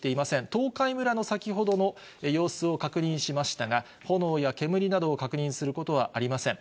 東海村の先ほどの様子を確認しましたが、炎や煙などを確認することはありません。